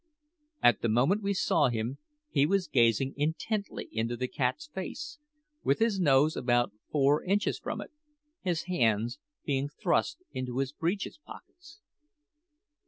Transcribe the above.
At the moment we saw him he was gazing intently into the cat's face, with his nose about four inches from it, his hands being thrust into his breeches pockets.